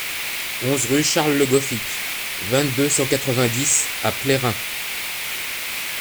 onze rue Charles Le Goffic, vingt-deux, cent quatre-vingt-dix à Plérin